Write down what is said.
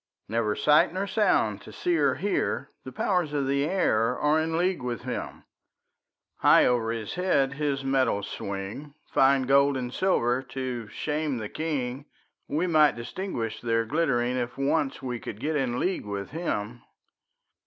Never sight nor sound to see or hear; The powers of the air are in league with him; High over his head his metals swing, Fine gold and silver to shame the king; We might distinguish their glittering, If once we could get in league with him.